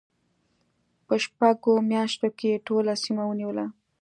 په شپږو میاشتو کې یې ټوله سیمه ونیوله.